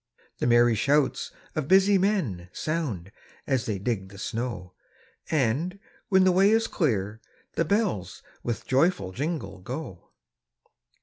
The merry shouts of busy men Sound, as they dig the snow; And, when the way is clear, the bells With joyful jingle, go.